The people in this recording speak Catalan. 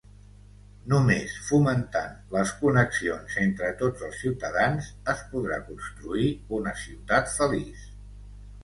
Només fomentant les connexions entre tots els ciutadans es podrà construir una ciutat feliç.